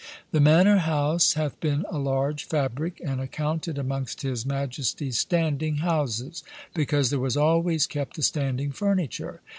The mannor house hath been a large fabrick, and accounted amongst his majestie's standing houses, because there was alwaies kept a standing furniture.